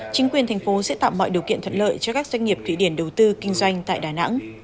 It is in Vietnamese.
chính quyền thành phố sẽ tạo mọi điều kiện thuận lợi cho các doanh nghiệp thụy điển đầu tư kinh doanh tại đà nẵng